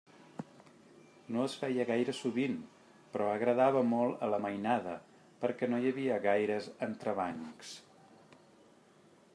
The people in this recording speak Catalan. No es feia gaire sovint, però agradava molt a la mainada, perquè no hi havia gaires entrebancs.